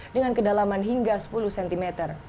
dengan kedalaman hingga sepuluh cm